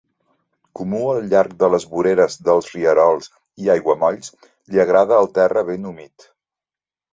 Comú al llarg de les voreres dels rierols i aiguamolls, li agrada el terra ben humit.